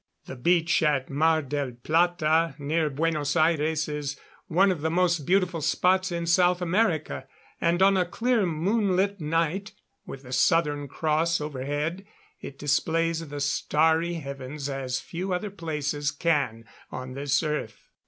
The beach at Mar del Plata, near Buenos Aires, is one of the most beautiful spots in South America; and on a clear moonlit night, with the Southern Cross overhead, it displays the starry heavens as few other places can on this earth.